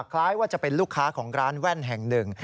คล้ายว่าจะเป็นลูกค้าของร้านแว่นแห่งหนึ่ง